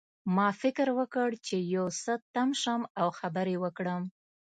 ما فکر وکړ چې یو څه تم شم او خبرې وکړم